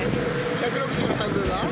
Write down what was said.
１６０の半分は？